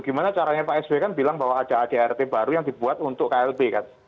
gimana caranya pak s w kan bilang bahwa ada adrt baru yang dibuat untuk klbw